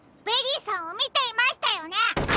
ベリーさんをみていましたよね！